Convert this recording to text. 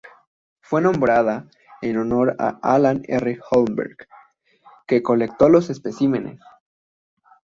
Fue nombrada en honor de Allan R. Holmberg que colectó los especímenes.